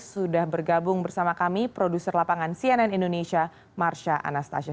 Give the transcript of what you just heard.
sudah bergabung bersama kami produser lapangan cnn indonesia marsha anastasia